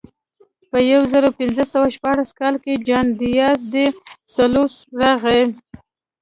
په یو زرو پینځه سوه شپاړس کال کې جان دیاز ډي سلوس راغی.